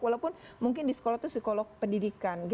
walaupun mungkin di sekolah itu psikolog pendidikan